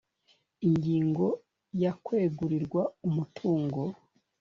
ingingo ya kwegurirwa umutungo